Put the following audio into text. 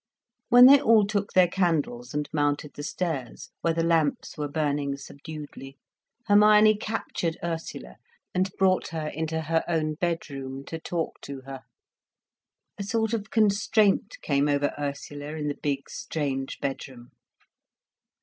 When they all took their candles and mounted the stairs, where the lamps were burning subduedly, Hermione captured Ursula and brought her into her own bedroom, to talk to her. A sort of constraint came over Ursula in the big, strange bedroom.